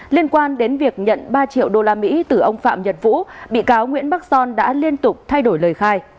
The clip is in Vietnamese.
liên quan đến việc nhận ba triệu đô la mỹ từ ông phạm nhật vũ bị cáo nguyễn bắc son đã liên tục thay đổi lời khai